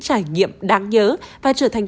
trải nghiệm đáng nhớ và trở thành